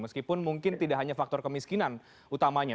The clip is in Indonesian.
meskipun mungkin tidak hanya faktor kemiskinan utamanya